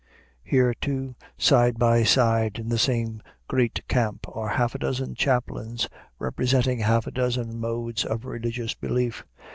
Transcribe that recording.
Here, too, side by side in the same great camp, are half a dozen chaplains, representing half a dozen modes of religious belief.